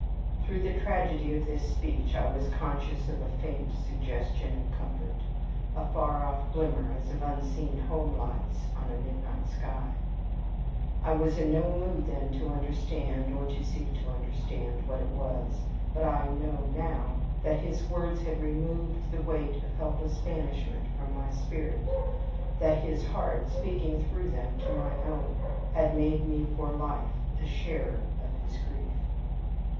Through the tragedy of this speech I was conscious of a faint suggestion of comfort, a far off glimmer, as of unseen home lights on a midnight sky. I was in no mood then to understand, or to seek to understand, what it was; but I know now that his words had removed the weight of helpless banishment from my spirit that his heart, speaking through them to my own, had made me for life the sharer of his grief.